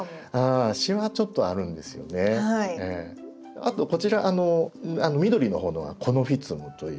あとこちら緑の方のはコノフィツムという。